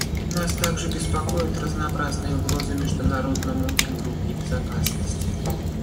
Нас также беспокоят разнообразные угрозы международному миру и безопасности.